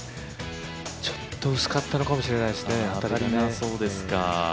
ちょっと薄かったのかもしれないですね。